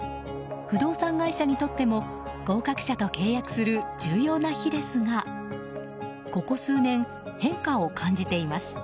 不動産会社にとっても合格者と契約する重要な日ですがここ数年、変化を感じています。